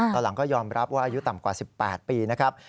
ตอนหลังก็ยอมรับว่าอายุต่ำกว่า๑๘ปีนะครับ